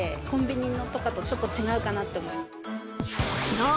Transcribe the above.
そう！